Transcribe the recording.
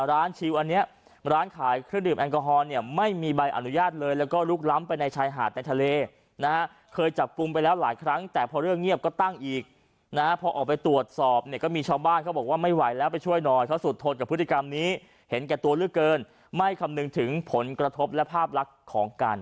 ชิวอันนี้ร้านขายเครื่องดื่มแอลกอฮอลเนี่ยไม่มีใบอนุญาตเลยแล้วก็ลุกล้ำไปในชายหาดในทะเลนะฮะเคยจับกลุ่มไปแล้วหลายครั้งแต่พอเรื่องเงียบก็ตั้งอีกนะฮะพอออกไปตรวจสอบเนี่ยก็มีชาวบ้านเขาบอกว่าไม่ไหวแล้วไปช่วยหน่อยเขาสุดทนกับพฤติกรรมนี้เห็นแก่ตัวเลือกเกินไม่คำนึงถึงผลกระทบและภาพลักษณ์ของการ